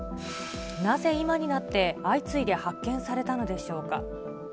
なぜ今になって、相次いで発見されたのでしょうか。